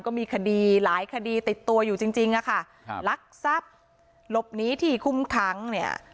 ก็มีคดีหลายคดีติดตัวอยู่จริงจริงอะค่ะครับลักทรัพย์หลบหนีที่คุมขังเนี่ย